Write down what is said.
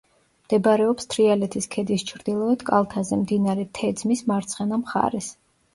მდებარეობს თრიალეთის ქედის ჩრდილოეთ კალთაზე, მდინარე თეძმის მარცხენა მხარეს.